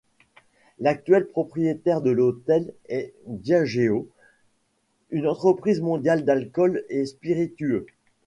L'actuel propriétaire de l'hôtel est Diageo, une entreprise mondiale d'alcools et spiritueux.